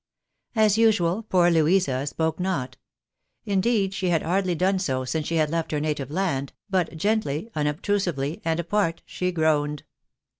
As usual, poor Louisa spoke not. Indeed, she had hardly done so since she had left her native land, but gently, unobtrusively, and apart, she groaned.